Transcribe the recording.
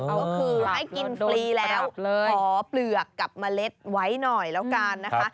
ก็คือให้กินฟรีแล้วขอเปลือกกับเมล็ดไว้หน่อยแล้วกันนะคะ